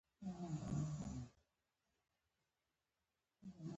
نوموړي هڅه کوله یو ځل بیا ویاند وټاکل شي.